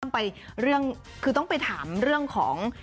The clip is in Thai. ซึ่งเราจะต้องไปถามเรืองของ